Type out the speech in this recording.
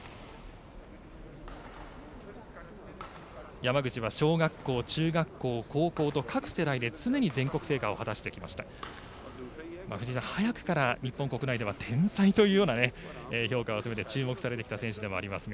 山口は小学校、中学校、高校と各世代で、常に全国制覇を果たしてきました。